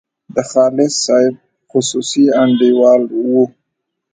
د خالص صاحب خصوصي انډیوال وو.